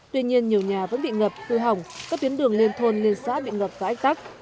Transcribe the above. tuy nhiên nhiều nhà vẫn bị ngập cư hỏng các biến đường liên thôn liên xã bị ngập gãi tắc